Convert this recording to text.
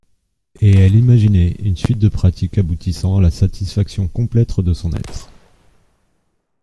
Et elle imaginait une suite de pratiques aboutissant à la satisfaction complète de son être.